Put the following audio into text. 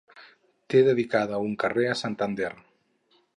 Té dedicada un carrer a Santander.